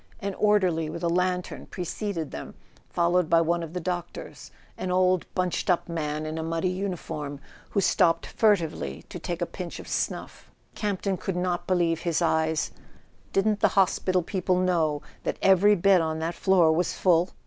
An orderly with a lantern preceded them, followed by one of the doc¬ tors, an old bunched up man in a muddy uniform, who stopped furtively to take a pinch of snuff. Camp ton could not believe his eyes; didn't the hospital people know that every bed on that floor was full?